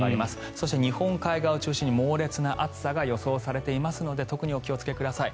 そして日本海側を中心に猛烈な暑さが予想されていますので特にお気をつけください。